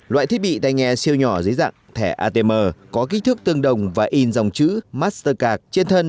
loại thiết bị tay nghe siêu nhỏ dưới dạng thẻ atm có kích thước tương đồng và in dòng chữ mastercard trên thân